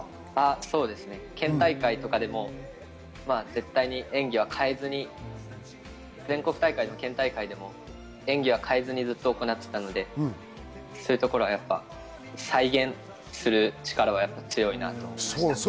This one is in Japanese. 県大会とかでも絶対演技は変えずに全国大会でも県大会でも演技を変えずにやっていたので、そういうところは再現する力はやっぱり強いなと。